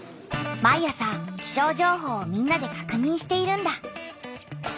毎朝気象情報をみんなでかくにんしているんだ。